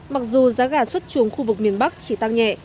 mặc dù giá gà xuất chuồng khu vực miền bắc chỉ tăng nhẹ